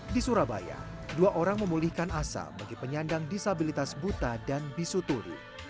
di surabaya dua orang memulihkan asa bagi penyandang disabilitas buta dan bisuturi